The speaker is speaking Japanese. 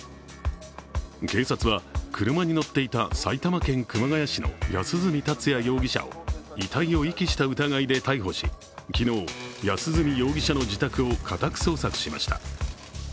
警察は、車に乗っていた埼玉県熊谷市の安栖達也容疑者を遺体を遺棄した疑いで逮捕し昨日、安栖容疑者の自宅を家宅捜索しました。